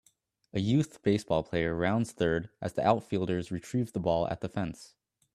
A youth baseball player rounds third as the outfielders retrieve the ball at the fence